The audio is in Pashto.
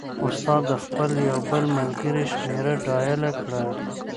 استاد د خپل یو بل ملګري شمېره ډایله کړه.